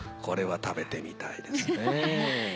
これは食べてみたいですね。